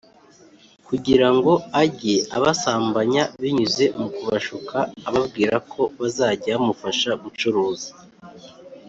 kugira ngo ajye abasambanya binyuze mu kubashuka ababwira ko bazajya bamufasha gucuruza